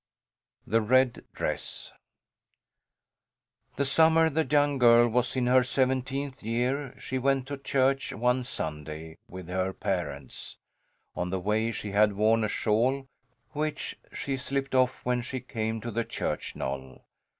THE RED DRESS The summer the young girl was in her seventeenth year she went to church one Sunday with her parents. On the way she had worn a shawl, which she slipped off when she came to the church knoll.